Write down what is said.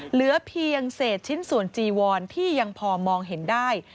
เหลือเพียงเศษชิ้นส่วนจีวอนที่ยังพอมองเห็นได้